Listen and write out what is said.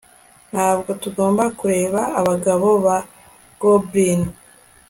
Ntabwo tugomba kureba abagabo ba goblin